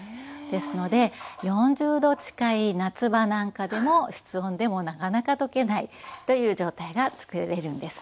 ですので４０℃近い夏場なんかでも室温でもなかなか溶けないという状態がつくれるんです。